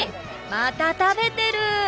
また食べてる！